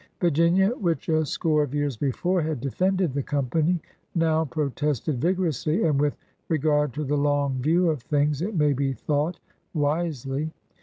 Virginia, which a score of years before had defended the Company, now protested vigorously, and, with re gard to the long view of things, it may be thought wisely.